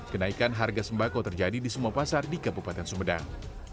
kenaikan harga sembako terjadi di semua pasar di kabupaten sumedang